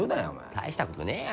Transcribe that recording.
大したことねぇよ